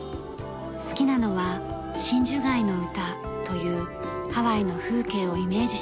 好きなのは『真珠貝の歌』というハワイの風景をイメージしながら踊る曲。